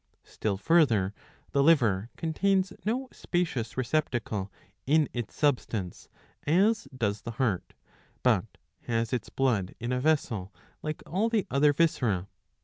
'^ Still further, the liver contains no spacious receptacle in its substance, as does the heart, but has its blood in a vessel like all the other viscera.